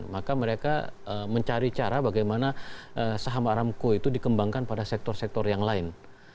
maka mereka mencari cara bagaimana saham aramco itu dikembangkan pada sektor sektor yang lain